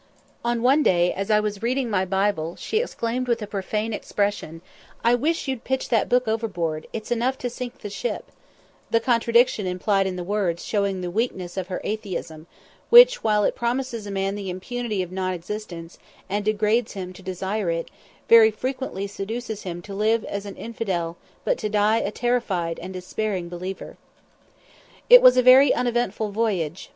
On one day, as I was reading my Bible, she exclaimed with a profane expression, "I wish you'd pitch that book overboard, it's enough to sink the ship;" the contradiction implied in the words showing the weakness of her atheism, which, while it promises a man the impunity of non existence, and degrades him to desire it, very frequently seduces him to live as an infidel, but to die a terrified and despairing believer. It was a very uneventful voyage.